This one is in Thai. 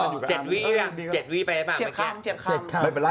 ประจักษ์ใช้ก็ให้